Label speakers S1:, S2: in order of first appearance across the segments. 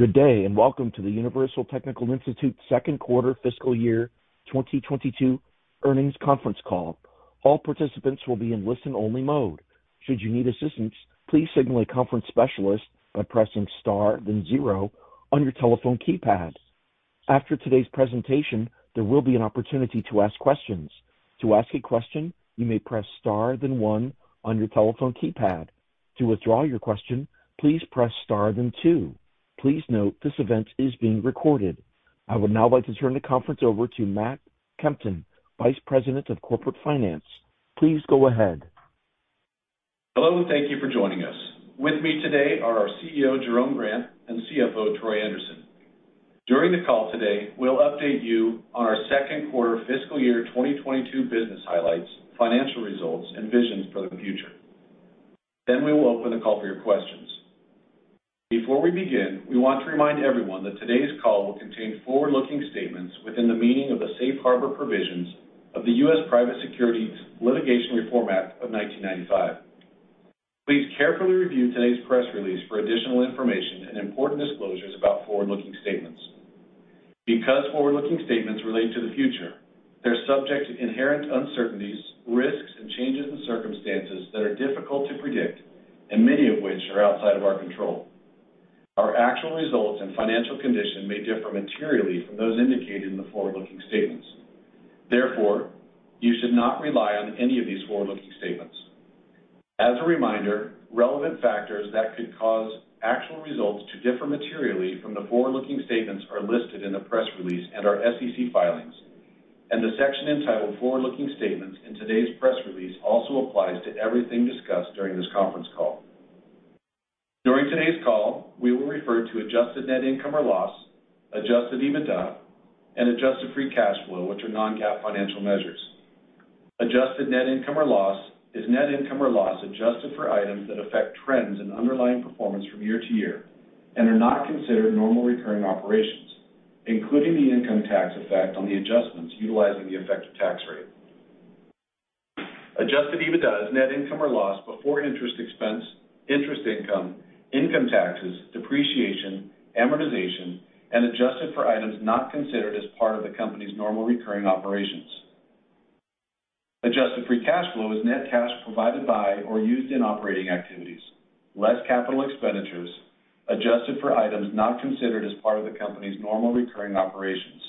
S1: Good day, and welcome to the Universal Technical Institute second quarter fiscal year 2022 earnings conference call. All participants will be in listen-only mode. Should you need assistance, please signal a conference specialist by pressing star, then zero on your telephone keypad. After today's presentation, there will be an opportunity to ask questions. To ask a question, you may press star then one on your telephone keypad. To withdraw your question, please press star then two. Please note this event is being recorded. I would now like to turn the conference over to Matt Kempton, Vice President of Corporate Finance. Please go ahead.
S2: Hello, and thank you for joining us. With me today are our CEO, Jerome Grant, and CFO, Troy Anderson. During the call today, we'll update you on our second quarter fiscal year 2022 business highlights, financial results, and visions for the future. Then we will open the call for your questions. Before we begin, we want to remind everyone that today's call will contain forward-looking statements within the meaning of the Safe Harbor Provisions of the U.S. Private Securities Litigation Reform Act of 1995. Please carefully review today's press release for additional information and important disclosures about forward-looking statements. Because forward-looking statements relate to the future, they're subject to inherent uncertainties, risks, and changes in circumstances that are difficult to predict, and many of which are outside of our control. Our actual results and financial condition may differ materially from those indicated in the forward-looking statements. Therefore, you should not rely on any of these forward-looking statements. As a reminder, relevant factors that could cause actual results to differ materially from the forward-looking statements are listed in the press release and our SEC filings. The section entitled Forward Looking Statements in today's press release also applies to everything discussed during this conference call. During today's call, we will refer to adjusted net income or loss, Adjusted EBITDA, and adjusted free cash flow, which are non-GAAP financial measures. Adjusted net income or loss is net income or loss adjusted for items that affect trends and underlying performance from year to year and are not considered normal recurring operations, including the income tax effect on the adjustments utilizing the effective tax rate. Adjusted EBITDA is net income or loss before interest expense, interest income taxes, depreciation, amortization, and adjusted for items not considered as part of the company's normal recurring operations. Adjusted free cash flow is net cash provided by or used in operating activities, less capital expenditures, adjusted for items not considered as part of the company's normal recurring operations.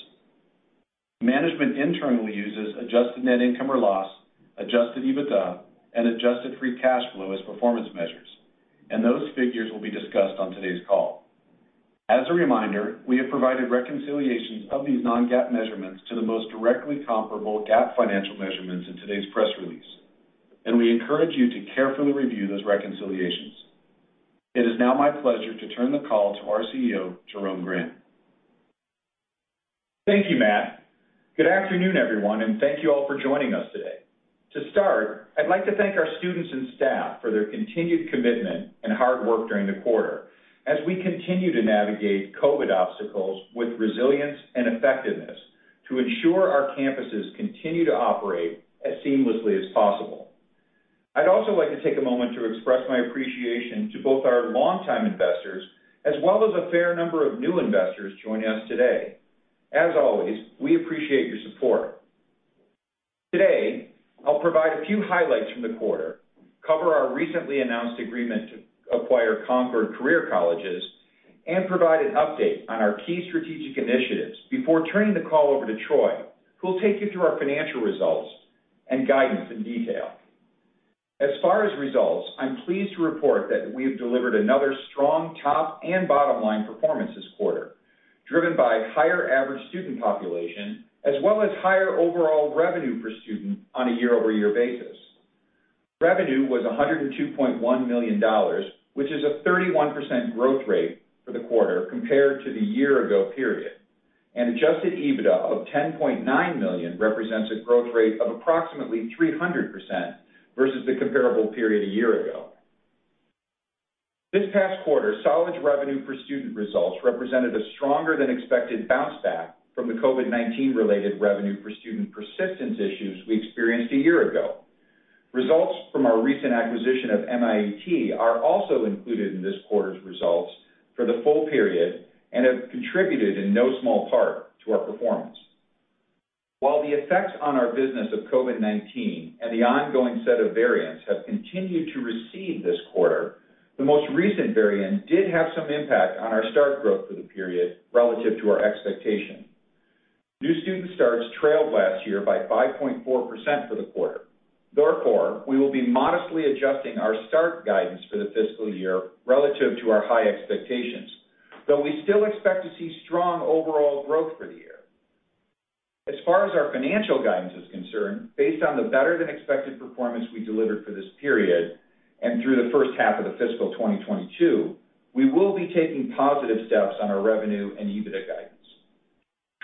S2: Management internally uses adjusted net income or loss, Adjusted EBITDA, and adjusted free cash flow as performance measures, and those figures will be discussed on today's call. As a reminder, we have provided reconciliations of these non-GAAP measurements to the most directly comparable GAAP financial measurements in today's press release, and we encourage you to carefully review those reconciliations. It is now my pleasure to turn the call to our CEO, Jerome Grant.
S3: Thank you, Matt. Good afternoon, everyone, and thank you all for joining us today. To start, I'd like to thank our students and staff for their continued commitment and hard work during the quarter as we continue to navigate COVID obstacles with resilience and effectiveness to ensure our campuses continue to operate as seamlessly as possible. I'd also like to take a moment to express my appreciation to both our longtime investors as well as a fair number of new investors joining us today. As always, we appreciate your support. Today, I'll provide a few highlights from the quarter, cover our recently announced agreement to acquire Concorde Career Colleges, and provide an update on our key strategic initiatives before turning the call over to Troy, who will take you through our financial results and guidance in detail. As far as results, I'm pleased to report that we have delivered another strong top and bottom line performance this quarter, driven by higher average student population as well as higher overall revenue per student on a year-over-year basis. Revenue was $102.1 million, which is a 31% growth rate for the quarter compared to the year ago period, and Adjusted EBITDA of $10.9 million represents a growth rate of approximately 300% versus the comparable period a year ago. This past quarter, solid revenue per student results represented a stronger than expected bounce back from the COVID-19 related revenue per student persistence issues we experienced a year ago. Results from our recent acquisition of MIAT are also included in this quarter's results for the full period and have contributed in no small part to our performance. While the effects on our business of COVID-19 and the ongoing set of variants have continued to recede this quarter, the most recent variant did have some impact on our start growth for the period relative to our expectations. New student starts trailed last year by 5.4% for the quarter. Therefore, we will be modestly adjusting our start guidance for the fiscal year relative to our high expectations, though we still expect to see strong overall growth for the year. As far as our financial guidance is concerned, based on the better than expected performance we delivered for this period and through the first half of the fiscal 2022, we will be taking positive steps on our revenue and EBITDA guidance.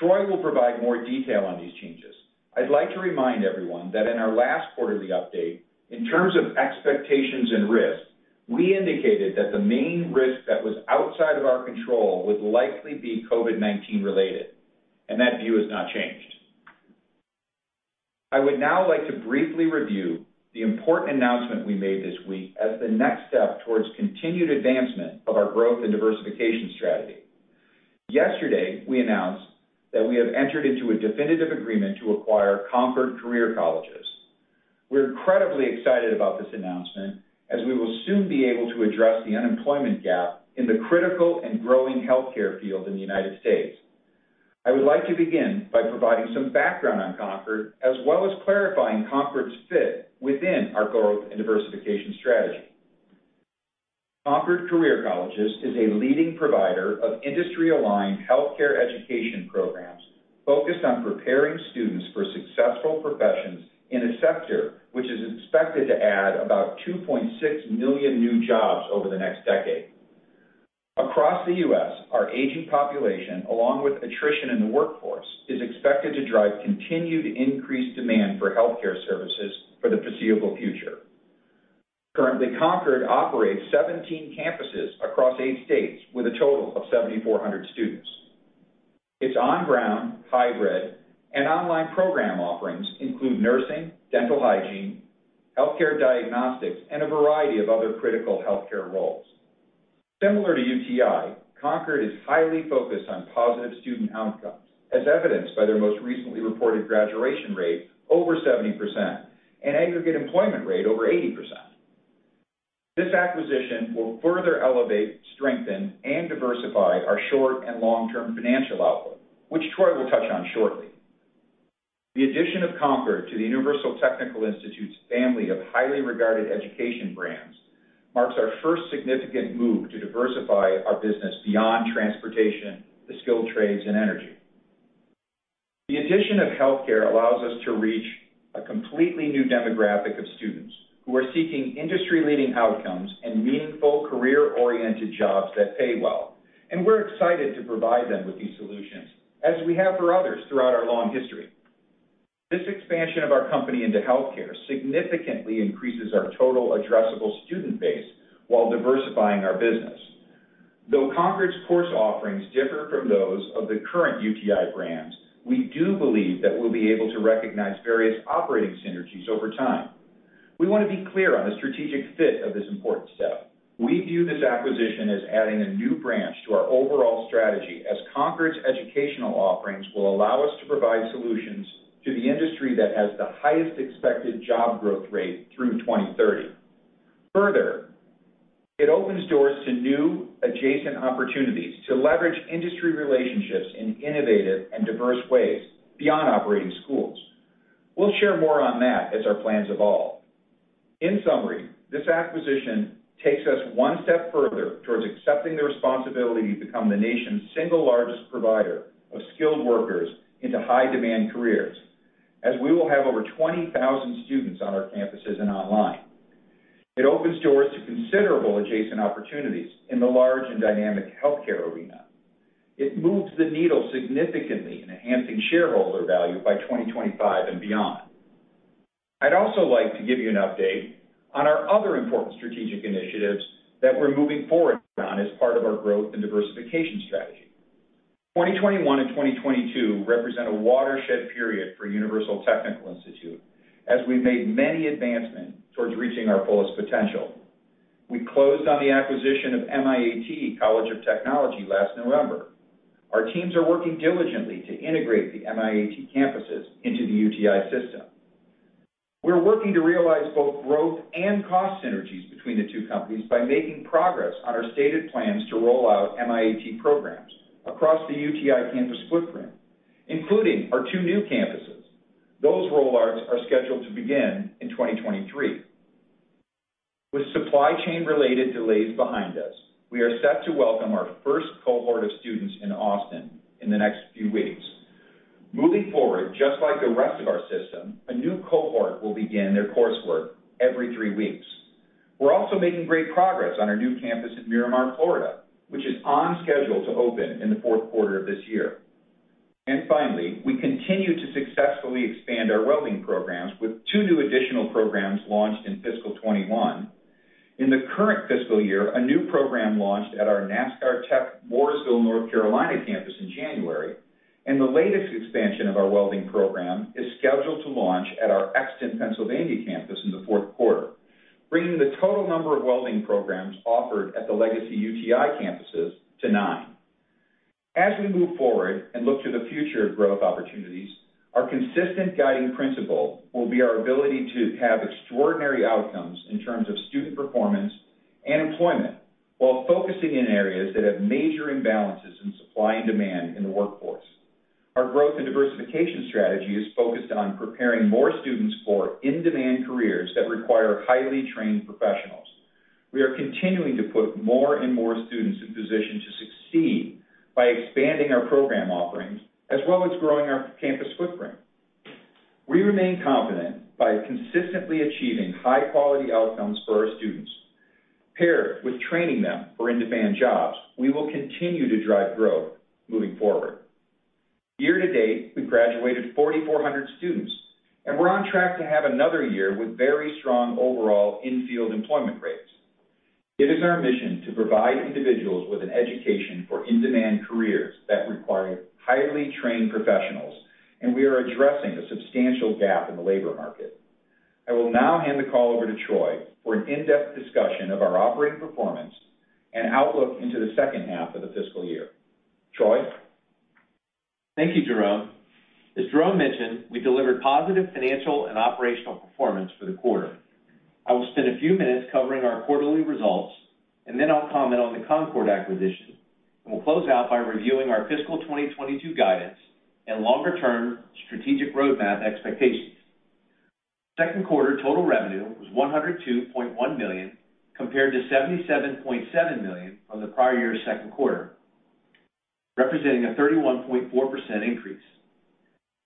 S3: Troy will provide more detail on these changes. I'd like to remind everyone that in our last quarterly update, in terms of expectations and risks, we indicated that the main risk that was outside of our control would likely be COVID-19 related, and that view has not changed. I would now like to briefly review the important announcement we made this week as the next step towards continued advancement of our growth and diversification strategy. Yesterday, we announced that we have entered into a definitive agreement to acquire Concorde Career Colleges. We're incredibly excited about this announcement, as we will soon be able to address the unemployment gap in the critical and growing healthcare field in the United States. I would like to begin by providing some background on Concorde, as well as clarifying Concorde's fit within our growth and diversification strategy. Concorde Career Colleges is a leading provider of industry-aligned healthcare education programs focused on preparing students for successful professions in a sector which is expected to add about 2.6 million new jobs over the next decade. Across the U.S., our aging population, along with attrition in the workforce, is expected to drive continued increased demand for healthcare services for the foreseeable future. Currently, Concorde operates 17 campuses across eight states with a total of 7,400 students. Its on-ground, hybrid, and online program offerings include nursing, dental hygiene, healthcare diagnostics, and a variety of other critical healthcare roles. Similar to UTI, Concorde is highly focused on positive student outcomes, as evidenced by their most recently reported graduation rate over 70% and aggregate employment rate over 80%. This acquisition will further elevate, strengthen, and diversify our short and long-term financial outlook, which Troy will touch on shortly. The addition of Concorde to the Universal Technical Institute's family of highly regarded education brands marks our first significant move to diversify our business beyond transportation, the skilled trades, and energy. The addition of healthcare allows us to reach a completely new demographic of students who are seeking industry-leading outcomes and meaningful career-oriented jobs that pay well, and we're excited to provide them with these solutions, as we have for others throughout our long history. This expansion of our company into healthcare significantly increases our total addressable student base while diversifying our business. Though Concorde's course offerings differ from those of the current UTI brands, we do believe that we'll be able to recognize various operating synergies over time. We want to be clear on the strategic fit of this important step. We view this acquisition as adding a new branch to our overall strategy, as Concorde's educational offerings will allow us to provide solutions to the industry that has the highest expected job growth rate through 2030. Further, it opens doors to new adjacent opportunities to leverage industry relationships in innovative and diverse ways beyond operating schools. We'll share more on that as our plans evolve. In summary, this acquisition takes us one step further towards accepting the responsibility to become the nation's single largest provider of skilled workers into high-demand careers, as we will have over 20,000 students on our campuses and online. It opens doors to considerable adjacent opportunities in the large and dynamic healthcare arena. It moves the needle significantly in enhancing shareholder value by 2025 and beyond. I'd also like to give you an update on our other important strategic initiatives that we're moving forward on as part of our growth and diversification strategy. 2021 and 2022 represent a watershed period for Universal Technical Institute as we've made many advancements towards reaching our fullest potential. We closed on the acquisition of MIAT College of Technology last November. Our teams are working diligently to integrate the MIAT campuses into the UTI system. We're working to realize both growth and cost synergies between the two companies by making progress on our stated plans to roll out MIAT programs across the UTI campus footprint, including our two new campuses. Those rollouts are scheduled to begin in 2023. With supply chain-related delays behind us, we are set to welcome our first cohort of students in Austin in the next few weeks. Moving forward, just like the rest of our system, a new cohort will begin their coursework every three weeks. We're also making great progress on our new campus in Miramar, Florida, which is on schedule to open in the fourth quarter of this year. Finally, we continue to successfully expand our welding programs with two new additional programs launched in fiscal 2021. In the current fiscal year, a new program launched at our NASCAR Technical Institute Mooresville, North Carolina, campus in January, and the latest expansion of our welding program is scheduled to launch at our Exton, Pennsylvania, campus in the fourth quarter, bringing the total number of welding programs offered at the legacy UTI campuses to nine. As we move forward and look to the future of growth opportunities, our consistent guiding principle will be our ability to have extraordinary outcomes in terms of student performance and employment while focusing in areas that have major imbalances in supply and demand in the workforce. Our growth and diversification strategy is focused on preparing more students for in-demand careers that require highly trained professionals. We are continuing to put more and more students in position to succeed by expanding our program offerings as well as growing our campus footprint. We remain confident by consistently achieving high-quality outcomes for our students. Paired with training them for in-demand jobs, we will continue to drive growth moving forward. Year to date, we graduated 4,400 students, and we're on track to have another year with very strong overall in-field employment rates. It is our mission to provide individuals with an education for in-demand careers that require highly trained professionals, and we are addressing a substantial gap in the labor market. I will now hand the call over to Troy for an in-depth discussion of our operating performance and outlook into the second half of the fiscal year. Troy?
S4: Thank you, Jerome. As Jerome mentioned, we delivered positive financial and operational performance for the quarter. I will spend a few minutes covering our quarterly results, and then I'll comment on the Concorde acquisition, and we'll close out by reviewing our fiscal 2022 guidance and longer-term strategic roadmap expectations. Second quarter total revenue was $102.1 million, compared to $77.7 million from the prior year's second quarter, representing a 31.4% increase.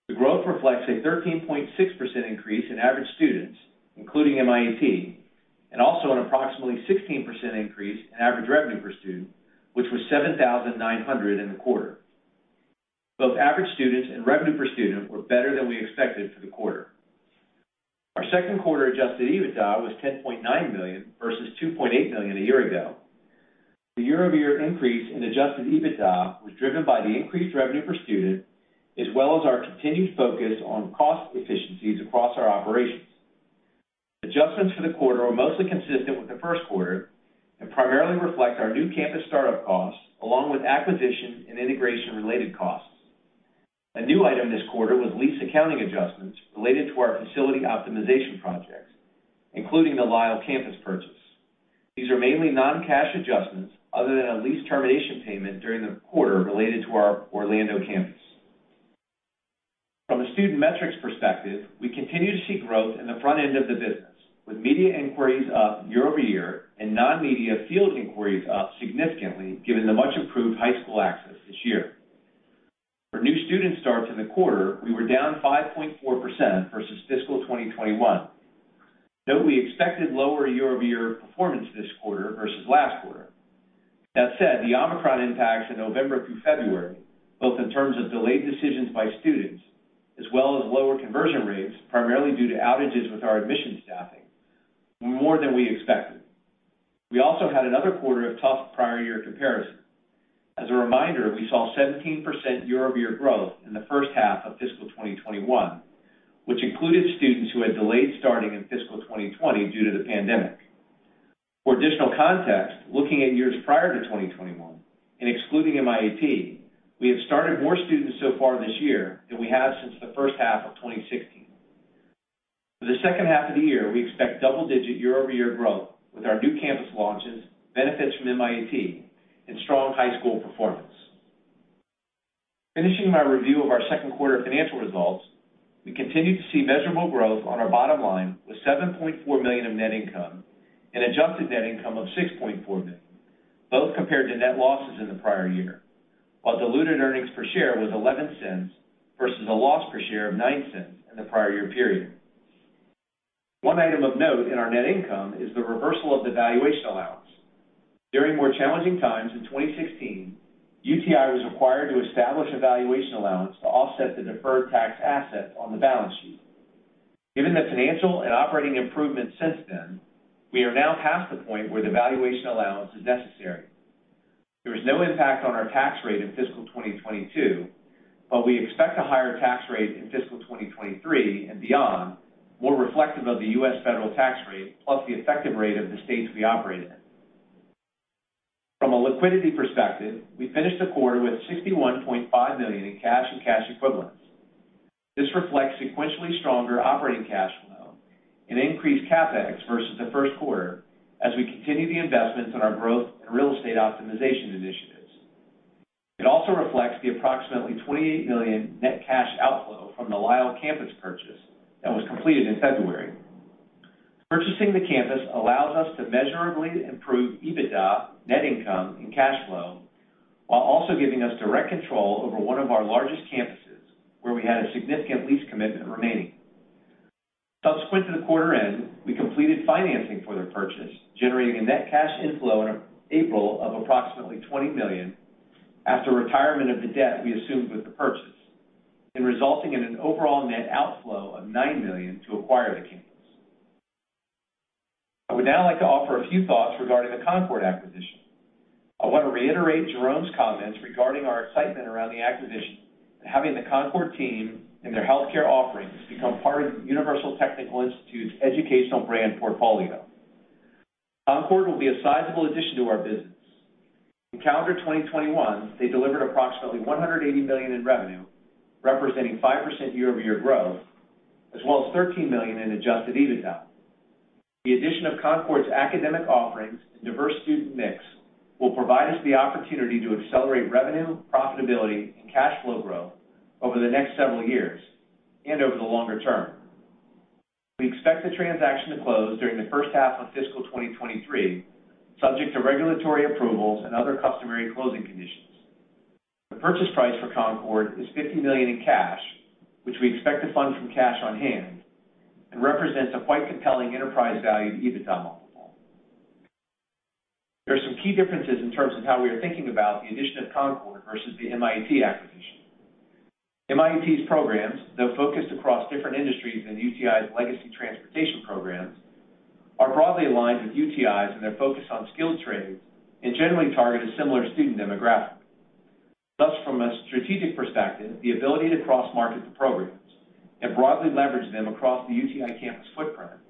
S4: The growth reflects a 13.6% increase in average students, including MIAT, and also an approximately 16% increase in average revenue per student, which was 7,900 in the quarter. Both average students and revenue per student were better than we expected for the quarter. Our second quarter Adjusted EBITDA was $10.9 million versus $2.8 million a year ago. The year-over-year increase in Adjusted EBITDA was driven by the increased revenue per student, as well as our continued focus on cost efficiencies across our operations. Adjustments for the quarter were mostly consistent with the first quarter and primarily reflect our new campus startup costs, along with acquisition and integration-related costs. A new item this quarter was lease accounting adjustments related to our facility optimization projects, including the Lisle campus purchase. These are mainly non-cash adjustments other than a lease termination payment during the quarter related to our Orlando campus. From a student metrics perspective, we continue to see growth in the front end of the business, with media inquiries up year-over-year and non-media field inquiries up significantly, given the much-improved high school access this year. For new student starts in the quarter, we were down 5.4% versus fiscal 2021. Note we expected lower year-over-year performance this quarter versus last quarter. That said, the Omicron impacts in November through February, both in terms of delayed decisions by students as well as lower conversion rates, primarily due to outages with our admissions staffing, were more than we expected. We also had another quarter of tough prior year comparison. As a reminder, we saw 17% year-over-year growth in the first half of fiscal 2021, which included students who had delayed starting in fiscal 2020 due to the pandemic. For additional context, looking at years prior to 2021 and excluding MIAT, we have started more students so far this year than we have since the first half of 2016. For the second half of the year, we expect double-digit year-over-year growth with our new campus launches, benefits from MIAT, and strong high school performance. Finishing my review of our second quarter financial results, we continue to see measurable growth on our bottom line with $7.4 million of net income and adjusted net income of $6.4 million, both compared to net losses in the prior year, while diluted earnings per share was $0.11 versus a loss per share of $0.09 in the prior year period. One item of note in our net income is the reversal of the valuation allowance. During more challenging times in 2016, UTI was required to establish a valuation allowance to offset the deferred tax assets on the balance sheet. Given the financial and operating improvements since then, we are now past the point where the valuation allowance is necessary. There is no impact on our tax rate in fiscal 2022, but we expect a higher tax rate in fiscal 2023 and beyond, more reflective of the U.S. federal tax rate plus the effective rate of the states we operate in. From a liquidity perspective, we finished the quarter with $61.5 million in cash and cash equivalents. This reflects sequentially stronger operating cash flow and increased CapEx versus the first quarter as we continue the investments in our growth and real estate optimization initiatives. It also reflects the approximately $28 million net cash outflow from the Lisle campus purchase that was completed in February. Purchasing the campus allows us to measurably improve EBITDA, net income, and cash flow while also giving us direct control over one of our largest campuses, where we had a significant lease commitment remaining. Subsequent to the quarter end, we completed financing for the purchase, generating a net cash inflow in April of approximately $20 million after retirement of the debt we assumed with the purchase and resulting in an overall net outflow of $9 million to acquire the campus. I would now like to offer a few thoughts regarding the Concorde acquisition. I want to reiterate Jerome's comments regarding our excitement around the acquisition and having the Concorde team and their healthcare offerings become part of Universal Technical Institute's educational brand portfolio. Concorde will be a sizable addition to our business. In calendar 2021, they delivered approximately $180 million in revenue, representing 5% year-over-year growth, as well as $13 million in Adjusted EBITDA. The addition of Concorde's academic offerings and diverse student mix will provide us the opportunity to accelerate revenue, profitability, and cash flow growth over the next several years and over the longer term. We expect the transaction to close during the first half of fiscal 2023, subject to regulatory approvals and other customary closing conditions. The purchase price for Concorde is $50 million in cash, which we expect to fund from cash on hand and represents a quite compelling enterprise value to EBITDA multiple. There are some key differences in terms of how we are thinking about the addition of Concorde versus the MIAT acquisition. MIAT's programs, though focused across different industries than UTI's legacy transportation programs, are broadly aligned with UTI's and their focus on skilled trades and generally target a similar student demographic. Thus, from a strategic perspective, the ability to cross-market the programs and broadly leverage them across the UTI campus footprint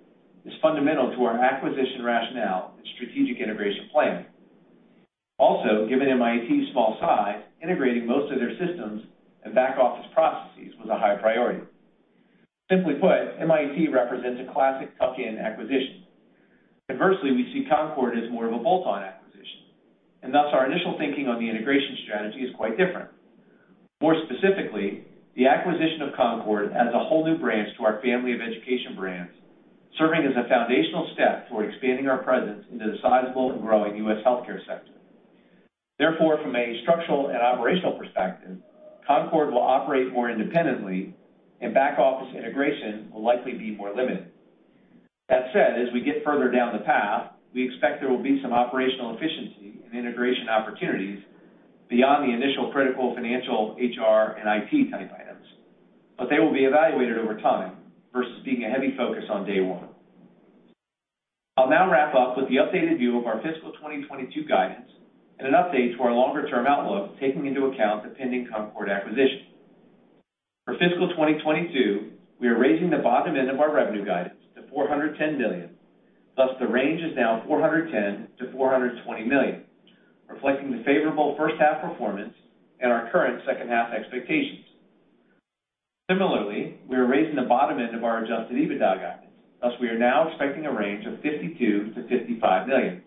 S4: is fundamental to our acquisition rationale and strategic integration plan. Also, given MIAT's small size, integrating most of their systems and back-office processes was a high priority. Simply put, MIAT represents a classic tuck-in acquisition. Conversely, we see Concorde as more of a bolt-on acquisition, and thus our initial thinking on the integration strategy is quite different. More specifically, the acquisition of Concorde adds a whole new branch to our family of education brands, serving as a foundational step toward expanding our presence into the sizable and growing U.S. healthcare sector. Therefore, from a structural and operational perspective, Concorde will operate more independently and back-office integration will likely be more limited. That said, as we get further down the path, we expect there will be some operational efficiency and integration opportunities beyond the initial critical financial HR and IT type items, but they will be evaluated over time versus being a heavy focus on day one. I'll now wrap up with the updated view of our fiscal 2022 guidance and an update to our longer-term outlook, taking into account the pending Concorde acquisition. For fiscal 2022, we are raising the bottom end of our revenue guidance to $410 million, thus the range is now $410 million-$420 million, reflecting the favorable first half performance and our current second half expectations. Similarly, we are raising the bottom end of our Adjusted EBITDA guidance, thus we are now expecting a range of $52 million-$55 million.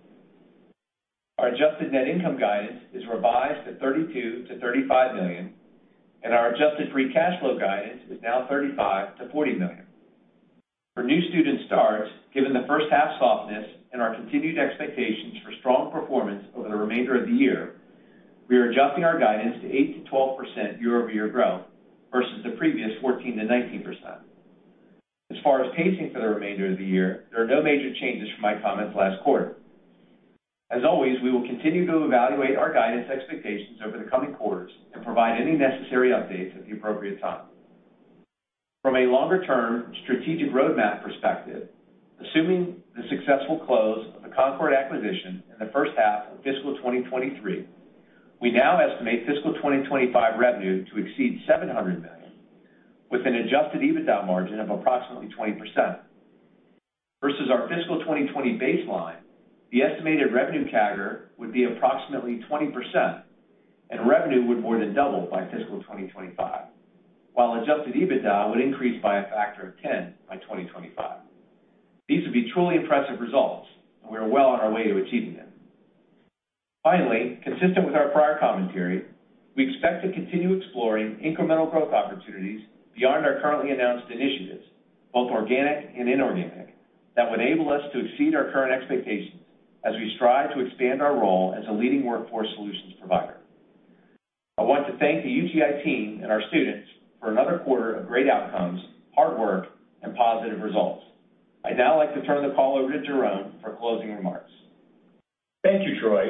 S4: Our adjusted net income guidance is revised to $32 million-$35 million, and our adjusted free cash flow guidance is now $35 million-$40 million. For new student starts, given the first half softness and our continued expectations for strong performance over the remainder of the year, we are adjusting our guidance to 8%-12% year-over-year growth versus the previous 14%-19%. As far as pacing for the remainder of the year, there are no major changes from my comments last quarter. As always, we will continue to evaluate our guidance expectations over the coming quarters and provide any necessary updates at the appropriate time. From a longer-term strategic roadmap perspective, assuming the successful close of the Concorde acquisition in the first half of fiscal 2023, we now estimate fiscal 2025 revenue to exceed $700 million with an Adjusted EBITDA margin of approximately 20%. Versus our Fiscal 2020 baseline, the estimated revenue CAGR would be approximately 20%, and revenue would more than double by Fiscal 2025, while Adjusted EBITDA would increase by a factor of 10 by 2025. These would be truly impressive results, and we are well on our way to achieving them. Finally, consistent with our prior commentary, we expect to continue exploring incremental growth opportunities beyond our currently announced initiatives, both organic and inorganic, that would enable us to exceed our current expectations as we strive to expand our role as a leading workforce solutions provider. I want to thank the UTI team and our students for another quarter of great outcomes, hard work, and positive results. I'd now like to turn the call over to Jerome Grant for closing remarks.
S3: Thank you, Troy.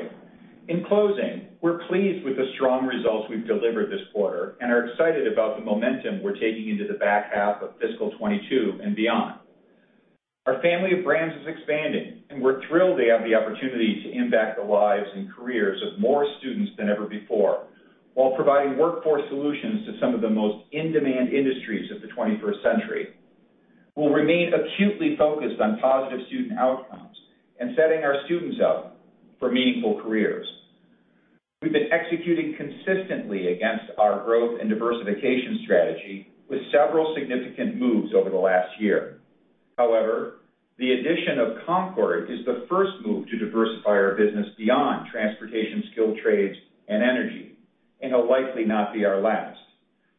S3: In closing, we're pleased with the strong results we've delivered this quarter and are excited about the momentum we're taking into the back half of fiscal 2022 and beyond. Our family of brands is expanding, and we're thrilled to have the opportunity to impact the lives and careers of more students than ever before while providing workforce solutions to some of the most in-demand industries of the 21st century. We'll remain acutely focused on positive student outcomes and setting our students up for meaningful careers. We've been executing consistently against our growth and diversification strategy with several significant moves over the last year. However, the addition of Concorde is the first move to diversify our business beyond transportation, skilled trades, and energy, and it'll likely not be our last.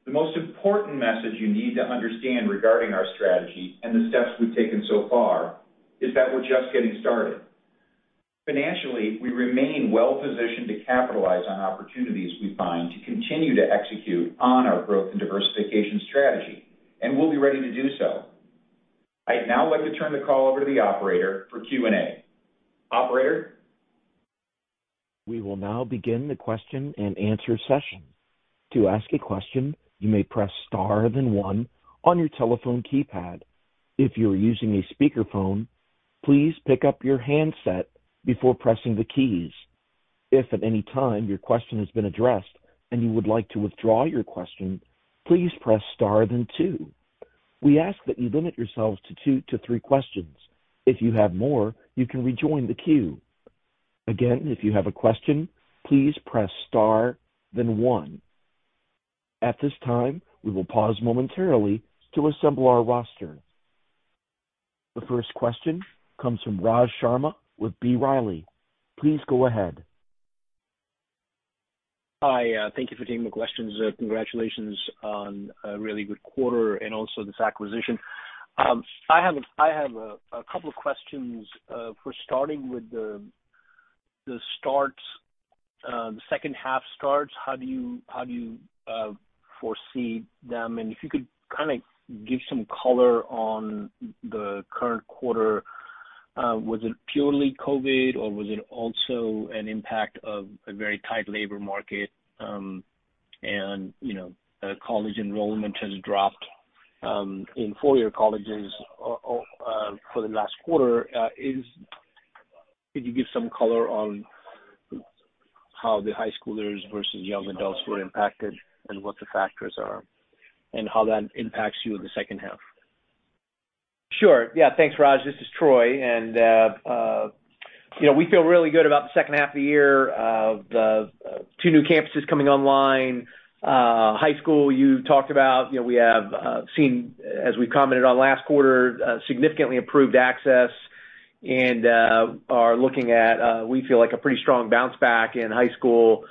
S3: The most important message you need to understand regarding our strategy and the steps we've taken so far is that we're just getting started. Financially, we remain well positioned to capitalize on opportunities we find to continue to execute on our growth and diversification strategy, and we'll be ready to do so. I'd now like to turn the call over to the operator for Q and A. Operator?
S1: We will now begin the question-and-answer session. To ask a question, you may press star then one on your telephone keypad. If you are using a speakerphone, please pick up your handset before pressing the keys. If at any time your question has been addressed and you would like to withdraw your question, please press star then two. We ask that you limit yourselves to two to three questions. If you have more, you can rejoin the queue. Again, if you have a question, please press star, then one. At this time, we will pause momentarily to assemble our roster. The first question comes from Rajiv Sharma with B. Riley Securities. Please go ahead.
S5: Hi, thank you for taking the questions. Congratulations on a really good quarter and also this acquisition. I have a couple of questions, first starting with the starts, the second half starts. How do you foresee them? If you could kinda give some color on the current quarter. Was it purely COVID or was it also an impact of a very tight labor market? You know, college enrollment has dropped in four-year colleges for the last quarter. Could you give some color on how the high schoolers versus young adults were impacted and what the factors are and how that impacts you in the second half?
S4: Sure. Yeah. Thanks, Rajiv. This is Troy. We feel really good about the second half of the year. The two new campuses coming online. High school, you talked about, you know, we have seen, as we commented on last quarter, significantly improved access and are looking at, we feel like a pretty strong bounce back in high school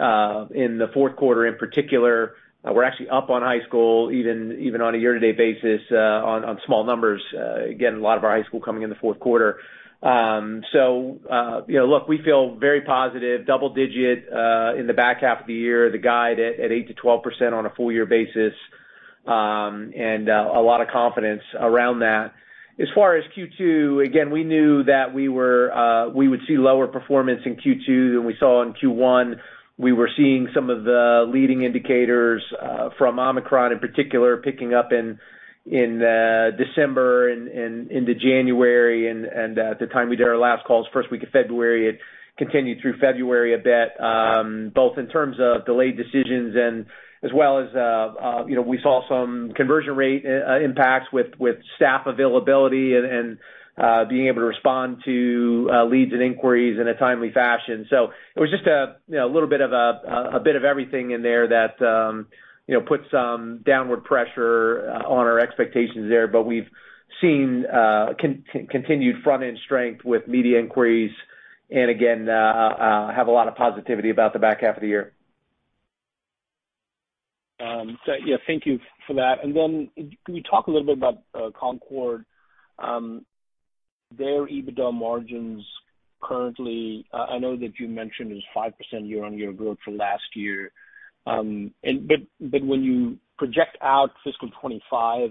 S4: in the fourth quarter in particular. We're actually up on high school even on a year-to-date basis on small numbers. Again, a lot of our high school coming in the fourth quarter. You know, look, we feel very positive, double digit in the back half of the year, the guide at 8%-12% on a full year basis, and a lot of confidence around that. As far as Q2, again, we knew that we would see lower performance in Q2 than we saw in Q1. We were seeing some of the leading indicators from Omicron in particular, picking up in December and into January. At the time we did our last call it was first week of February. It continued through February a bit, both in terms of delayed decisions and as well as, you know, we saw some conversion rate impacts with staff availability and being able to respond to leads and inquiries in a timely fashion. It was just a you know a little bit of a bit of everything in there that you know put some downward pressure on our expectations there. We've seen continued front-end strength with media inquiries and again have a lot of positivity about the back half of the year.
S5: Yeah, thank you for that. Can you talk a little bit about Concorde? Their EBITDA margins currently, I know that you mentioned is 5% year-on-year growth from last year. When you project out fiscal 2025,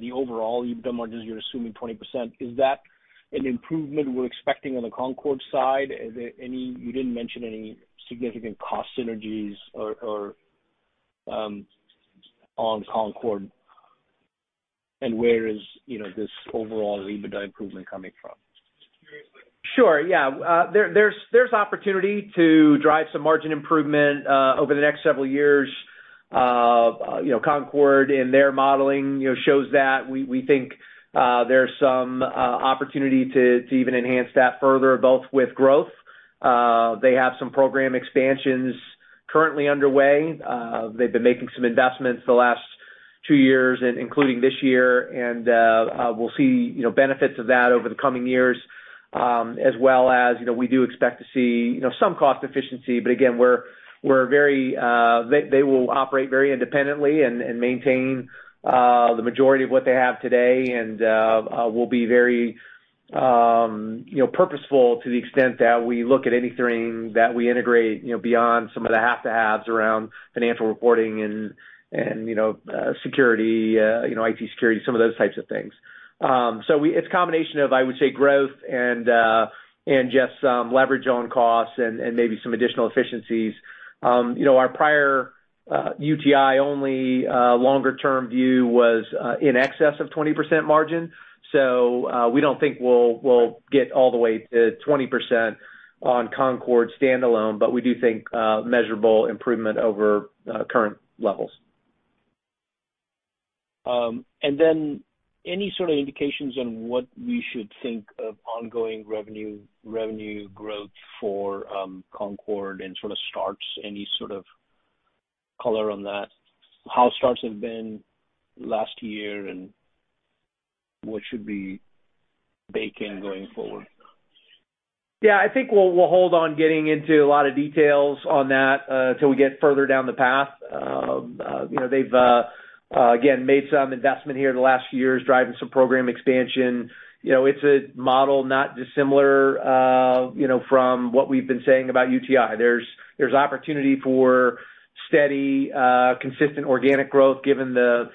S5: the overall EBITDA margins, you're assuming 20%. Is that an improvement we're expecting on the Concorde side? Is there any? You didn't mention any significant cost synergies or on Concorde and where is, you know, this overall EBITDA improvement coming from?
S4: Sure. Yeah. There's opportunity to drive some margin improvement over the next several years. You know, Concorde in their modeling, you know, shows that. We think there's some opportunity to even enhance that further, both with growth. They have some program expansions currently underway. They've been making some investments the last two years, including this year. We'll see, you know, benefits of that over the coming years. As well as, you know, we do expect to see, you know, some cost efficiency. Again, we're very. They will operate very independently and maintain the majority of what they have today. We'll be very, you know, purposeful to the extent that we look at anything that we integrate, you know, beyond some of the have-to-haves around financial reporting and, you know, security, you know, IT security, some of those types of things. It's a combination of, I would say, growth and just some leverage on costs and maybe some additional efficiencies. You know, our prior UTI only longer term view was in excess of 20% margin. We don't think we'll get all the way to 20% on Concorde standalone, but we do think measurable improvement over current levels.
S5: Any sort of indications on what we should think of ongoing revenue growth for Concorde and sort of starts, any sort of color on that, how starts have been last year and what should be baking going forward?
S4: Yeah, I think we'll hold on getting into a lot of details on that till we get further down the path. You know, they've again made some investment here in the last few years, driving some program expansion. You know, it's a model not dissimilar, you know, from what we've been saying about UTI. There's opportunity for steady, consistent organic growth given the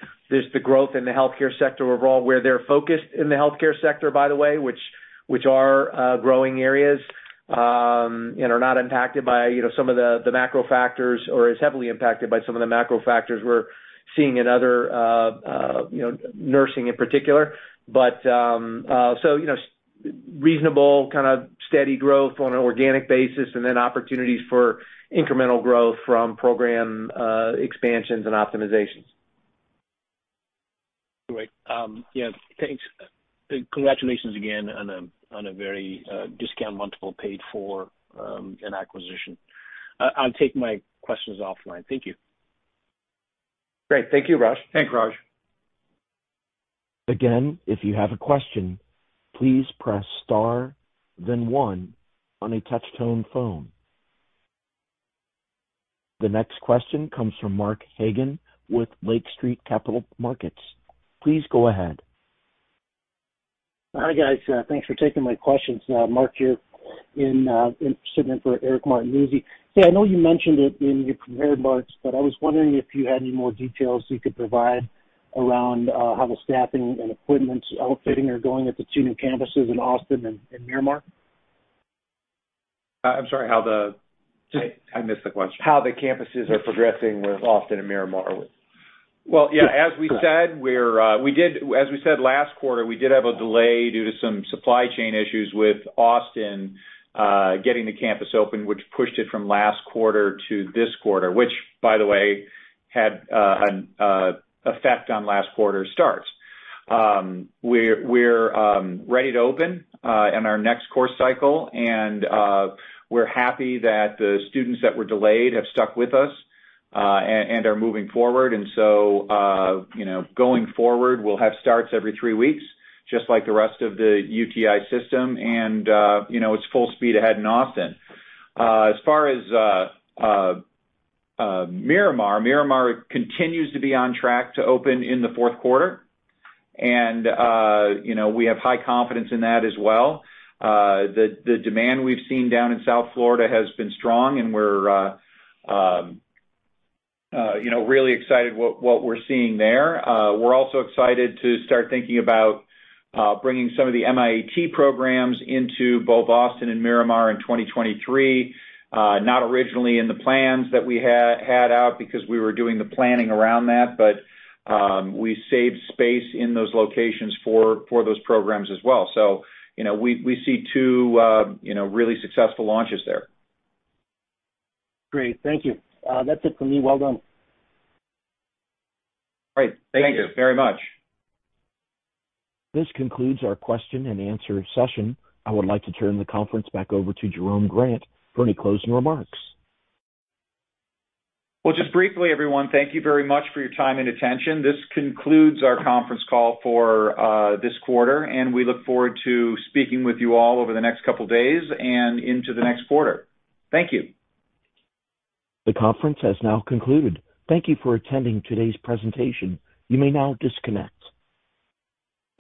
S4: growth in the healthcare sector overall, where they're focused in the healthcare sector, by the way, which are growing areas, and are not impacted by, you know, some of the macro factors or as heavily impacted by some of the macro factors we're seeing in other, you know, nursing in particular. You know, reasonable kind of steady growth on an organic basis and then opportunities for incremental growth from program expansions and optimizations.
S5: Great. Yeah, thanks, and congratulations again on a very discounted multiple paid for an acquisition. I'll take my questions offline. Thank you.
S4: Great. Thank you, Rajiv.
S3: Thanks, Rajiv.
S1: Again, if you have a question, please press star then one on a touch tone phone. The next question comes from Mark Hagen with Lake Street Capital Markets. Please go ahead.
S6: Hi, guys. Thanks for taking my questions. Mark here. Sitting in for Eric Martinuzzi. Hey, I know you mentioned it in your prepared remarks, but I was wondering if you had any more details you could provide around how the staffing and equipment outfitting are going at the two new campuses in Austin and Miramar.
S3: I'm sorry, I missed the question.
S6: How the campuses are progressing with Austin and Miramar?
S3: Well, yeah. As we said last quarter, we did have a delay due to some supply chain issues with Austin getting the campus open, which pushed it from last quarter to this quarter. Which, by the way, had an effect on last quarter's starts. We're ready to open in our next course cycle and we're happy that the students that were delayed have stuck with us and are moving forward. You know, going forward, we'll have starts every three weeks, just like the rest of the UTI system. You know, it's full speed ahead in Austin. As far as Miramar continues to be on track to open in the fourth quarter. You know, we have high confidence in that as well. The demand we've seen down in South Florida has been strong, and we're you know, really excited what we're seeing there. We're also excited to start thinking about bringing some of the MIAT programs into both Austin and Miramar in 2023. Not originally in the plans that we had out because we were doing the planning around that. We saved space in those locations for those programs as well. You know, we see two you know, really successful launches there.
S6: Great. Thank you. That's it for me. Well done.
S3: Great. Thank you very much.
S1: This concludes our question and answer session. I would like to turn the conference back over to Jerome Grant for any closing remarks.
S3: Well, just briefly, everyone, thank you very much for your time and attention. This concludes our conference call for this quarter, and we look forward to speaking with you all over the next couple days and into the next quarter. Thank you.
S1: The conference has now concluded. Thank you for attending today's presentation. You may now disconnect.